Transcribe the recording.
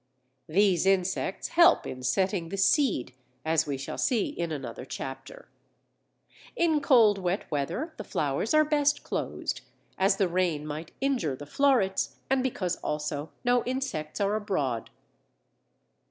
These insects help in setting the seed (as we shall see in another chapter). In cold wet weather the flowers are best closed, as the rain might injure the florets and because also no insects are abroad.